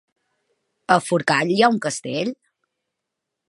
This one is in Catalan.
A Forcall hi ha un castell?